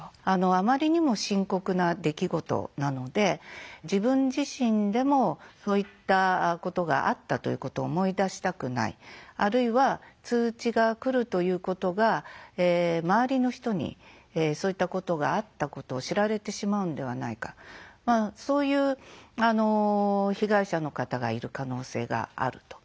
あまりにも深刻な出来事なので自分自身でもそういったことがあったということを思い出したくないあるいは通知が来るということが周りの人にそういったことがあったことを知られてしまうんではないかそういう被害者の方がいる可能性があると。